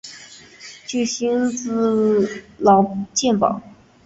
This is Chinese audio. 具薪资劳健保